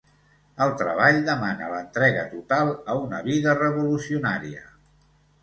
El treball demana l'entrega total a una vida revolucionària.